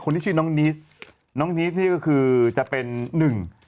ที่ชื่อน้องนีสน้องนีสนี่ก็คือจะเป็นหนึ่ง